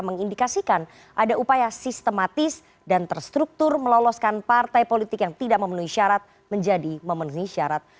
menjadi memenuhi syarat menjadi memenuhi syarat